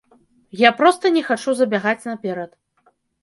Я проста не хачу забягаць наперад.